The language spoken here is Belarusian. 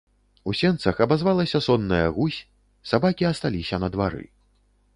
У сенцах абазвалася сонная гусь, сабакі асталіся на двары.